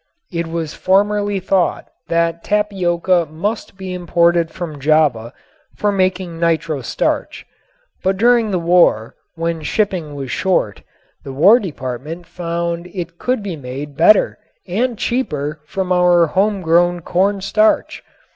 It was formerly thought that tapioca must be imported from Java for making nitro starch. But during the war when shipping was short, the War Department found that it could be made better and cheaper from our home grown corn starch.